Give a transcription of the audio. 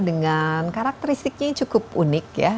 dengan karakteristiknya cukup unik ya